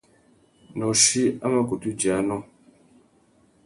Nôchï a mà kutu djï anô.